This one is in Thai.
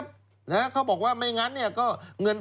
เพราะว่าเขาไม่ได้มาใตติต